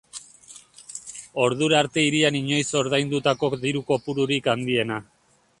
Ordura arte hirian inoiz ordaindutako diru kopururik handiena.